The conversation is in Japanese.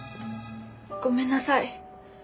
ごめんなさい。